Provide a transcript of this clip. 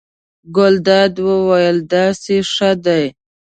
ګلداد وویل: داسې ښه دی.